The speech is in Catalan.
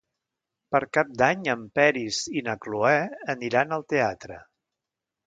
Per Cap d'Any en Peris i na Cloè aniran al teatre.